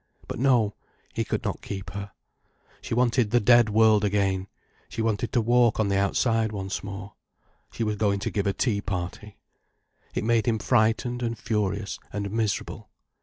But no, he could not keep her. She wanted the dead world again—she wanted to walk on the outside once more. She was going to give a tea party. It made him frightened and furious and miserable.